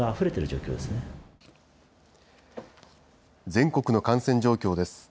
全国の感染状況です。